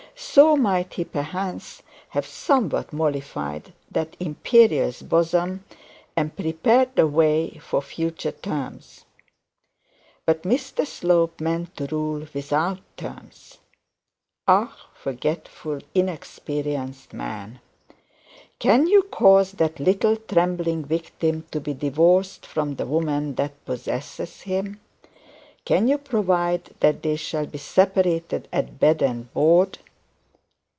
So might he perchance have somewhat mollified that imperious bosom, and prepared the way for future terms. But Mr Slope meant to rule without terms. Ah, forgetful, inexperienced man! Can you cause that little trembling victim to be divorced from the woman who possesses him? Can you provide that they shall be separated at bed and board?